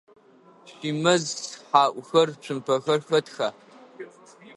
Шъуимэз хьаӏухэр, цумпэхэр хэтха?